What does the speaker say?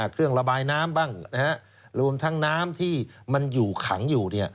เครื่องระบายน้ำบ้างรวมทั้งน้ำที่มันอยู่ขังอยู่